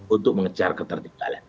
untuk mengejar ketertinggalan